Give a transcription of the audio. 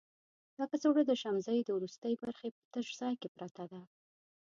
دا کڅوړه د شمزۍ د وروستي برخې په تش ځای کې پرته ده.